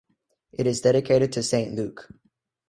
It is dedicated to Saint Luke.